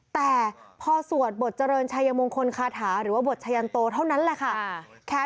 แต่พอสวดบทเจริญชัยมงคลคาถาหรือว่าบทชะยันโตเท่านั้นแหละค่ะ